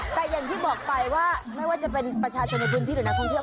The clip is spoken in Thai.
แต่อย่างที่บอกไปว่าไม่ว่าจะเป็นประชาชนในพื้นที่หรือนักท่องเที่ยว